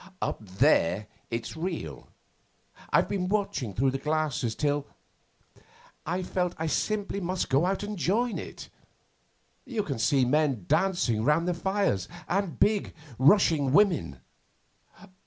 Up there it's real. I've been watching through the glasses till I felt I simply must go out and join it. You can see men dancing round the fires, and big, rushing women.